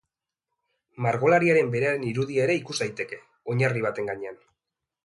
Margolariaren beraren irudia ere ikus daiteke, oinarri baten gainean.